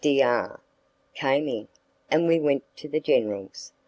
D R came in and we went to the general's.